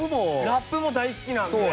ラップも大好きなんで。